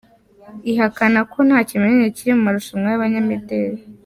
ihakana ko nta kimenyane kiri mu marushanwa y’abanyamideri